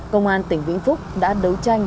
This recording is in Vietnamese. công an tỉnh vĩnh phúc đã đấu tranh